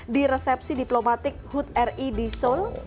di resepsi diplomatik hood ri di seoul